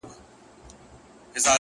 • محتسب به له قمچیني سره ښخ وي,